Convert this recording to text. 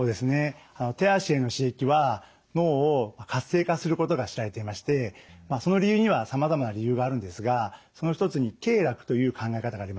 手足への刺激は脳を活性化することが知られていましてその理由にはさまざまな理由があるんですがその一つに経絡という考え方があります。